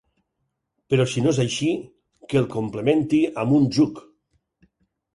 Però si no és així que el complementi amb un Zug.